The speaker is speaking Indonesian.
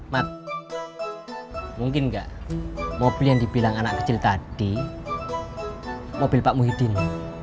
mat mungkin enggak mobil yang dibilang anak kecil tadi mobil pak muhyiddin